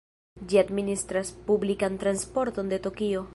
Ĝi administras publikan transporton de Tokio.